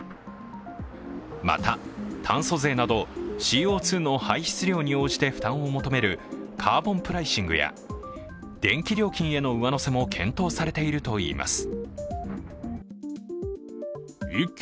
また炭素税など、ＣＯ２の排出量に応じて負担を求めるカーボンプライシングや電気料金への上乗せも検討されているといいます。